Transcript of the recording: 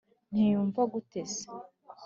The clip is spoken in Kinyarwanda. ntunyumva gute se